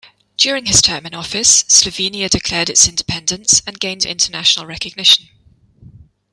During his term in office, Slovenia declared its independence and gained international recognition.